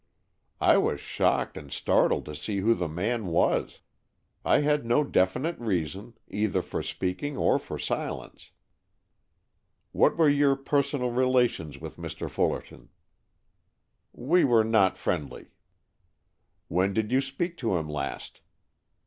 "I was shocked and startled to see who the man was. I had no definite reason, either for speaking or for silence." "What were your personal relations with Mr. Fullerton?" "We were not friendly." "When did you speak to him last?"